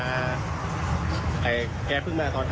ไอ้แกเพิ่งมาตอน๕ทุ่ม